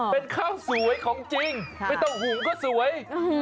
เป็นข้าวสวยของจริงไม่ต้องหุงก็สวย